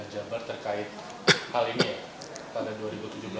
jabar terkait hal ini pada dua ribu tujuh belas